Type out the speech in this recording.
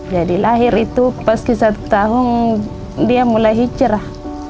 jadi lahir itu pas satu tahun dia mulai hijrah